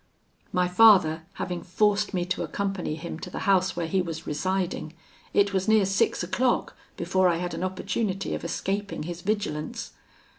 "My father having forced me to accompany him to the house where he was residing, it was near six o'clock before I had an opportunity of escaping his vigilance.